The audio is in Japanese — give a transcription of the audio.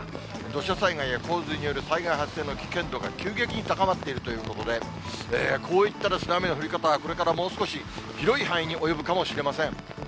土砂災害や洪水による災害発生の危険度が急激に高まっているということで、こういった雨の降り方、これからもう少し、広い範囲に及ぶかもしれません。